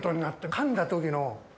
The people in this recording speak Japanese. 噛んだ時の。